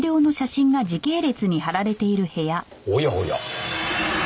おやおや。